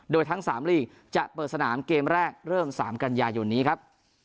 โดยทั้ง๓ลีกจะเปิดสนามเกมแรกเริ่ม๓กันยายนนี้ครับ